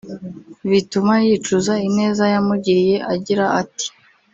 bituma yicuza ineza yamugiriye agira ati